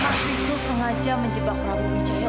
mas wisnu sengaja menjebak prabu wijaya